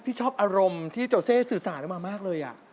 ชอบอารมณ์ที่โจเซสื่อสารออกมามากเลย